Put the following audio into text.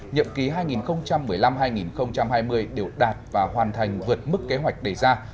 nhậm ký hai nghìn một mươi năm hai nghìn hai mươi đều đạt và hoàn thành vượt mức kế hoạch đề ra